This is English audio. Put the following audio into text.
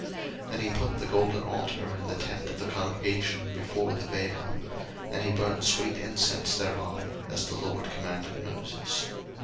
02:040:026 And he put the golden altar in the tent of the congregation before the vail: 02:040:027 And he burnt sweet incense thereon; as the LORD commanded Moses.